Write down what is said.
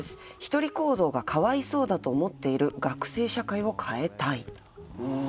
１人行動がかわいそうだと思っている学生社会を変えたい。